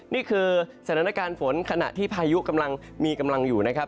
นี่คือสถานการณ์ฝนขณะที่พายุกำลังมีกำลังอยู่นะครับ